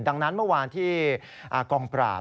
ดังนั้นเมื่อวานที่กองปราบ